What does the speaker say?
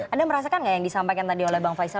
anda merasakan nggak yang disampaikan tadi oleh bang faisal